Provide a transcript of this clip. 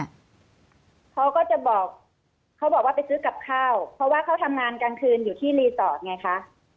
เขาก็จะบอกเขาบอกว่าไปซื้อกับข้าวเพราะว่าเขาทำงานกลางคืนอยู่ที่รีสอร์ทไงคะ